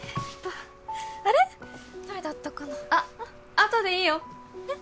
あとでいいよえっ？